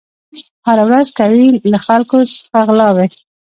هره ورځ کوي له خلکو څخه غلاوي